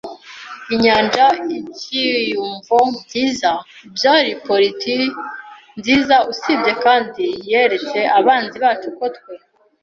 inyanja, ibyiyumvo byiza; byari politiki nziza usibye kandi yeretse abanzi bacu ko twe